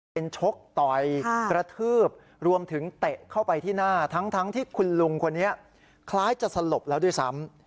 เป็นชกต่อยกระทืบรวมถึงเตะเข้าไปที่หน้าทั้งที่คุณลุงคนนี้คล้ายจะสลบแล้วด้วยซ้ำ